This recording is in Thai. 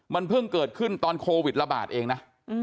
มันเพิ่งเกิดขึ้นตอนโควิดระบาดเองนะ